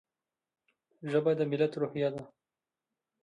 ژبه د ملت روحیه ده.